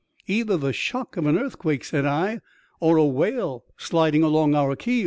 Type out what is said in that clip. ''Either the shock of an earthquake," said I, ''or a whale sliding along our keel.'